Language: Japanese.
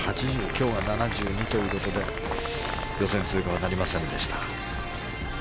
今日は７２ということで予選通過はなりませんでした。